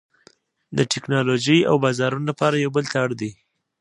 د ټکنالوژۍ او بازارونو لپاره یو بل ته اړ دي